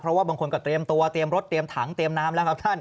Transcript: เพราะว่าบางคนก็เตรียมตัวเตรียมรถเตรียมถังเตรียมน้ำแล้วครับท่าน